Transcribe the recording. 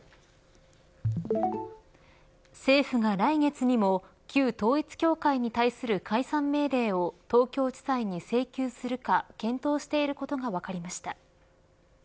政府が来月にも旧統一教会に対する解散命令を東京地裁に請求するか検討していることが分かりました。